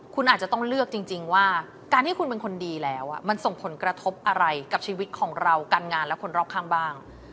คุณอาจจะต้องเลือกจริงว่าการที่คุณเป็นคนดีแล้วมันส่งผลกระทบอะไรกับชีวิตของเราการงานและคนรอบข้างบ้าง